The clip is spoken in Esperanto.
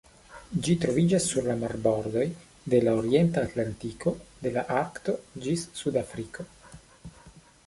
Ĝi troviĝas sur la marbordoj de la Orienta Atlantiko, de la Arkto ĝis Sud-Afriko.